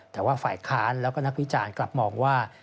แต่ว่าฝ่ายค้านแล้วก็นักวิจารณ์กลับมองว่า